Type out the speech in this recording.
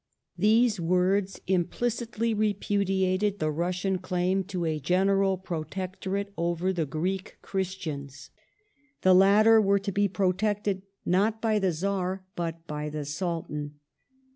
These words implicitly repudiated the Russian claim to a general pro tectorate over the Greek Christians. The latter were to be pro tected not by the Czar but by the Sultan.